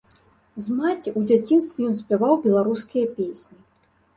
З маці ў дзяцінстве ён спяваў беларускія песні.